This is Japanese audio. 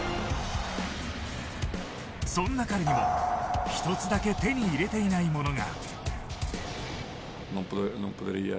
そんな彼にも１つだけ手に入れていないものが。